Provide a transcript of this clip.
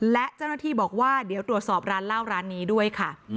และเจ้าหน้าที่บอกว่าเดี๋ยวตรวจสอบร้านเหล้าร้านนี้ด้วยค่ะ